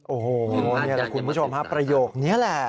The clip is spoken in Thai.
โอ้โหนี่แหละคุณผู้ชมฮะประโยคนี้แหละ